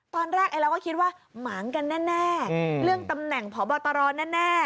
ตอนแรกเราก็คิดว่าหมางกันแน่เรื่องตำแหน่งพบตรแน่